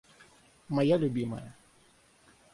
Моя любимая.